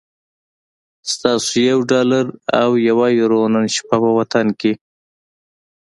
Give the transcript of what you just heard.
ستاسو یو ډالر او یوه یورو نن شپه په وطن کی